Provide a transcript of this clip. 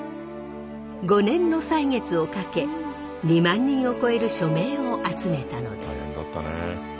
５年の歳月をかけ２万人を超える署名を集めたのです。